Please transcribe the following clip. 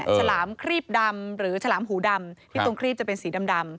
ฉลามครีบดำหรือฉลามหูดำที่ตรงครีบจะเป็นสีดำ